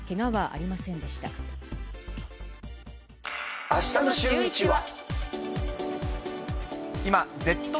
あしたのシューイチは。